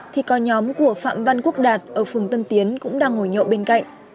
thì có nhóm của phạm văn quốc đạt ở phường tân tiến cũng đang ngồi nhậu bên cạnh